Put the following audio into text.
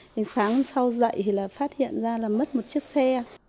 sáng sau dậy thì là phát hiện ra là mất một chiếc xe